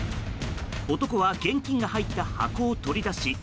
男は現金が入った箱を取り出し